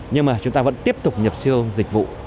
nhưng mà chúng ta vẫn tiếp tục nhập siêu dịch vụ